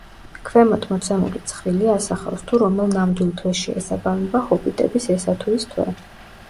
ქვემოთ მოცემული ცხრილი ასახავს, თუ რომელ ნამდვილ თვეს შეესაბამება ჰობიტების ესა თუ ის თვე.